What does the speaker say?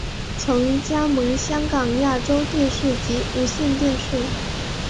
曾加盟香港亚洲电视及无线电视。